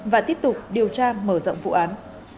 và tiếp tục điều tra mở rộng vụ án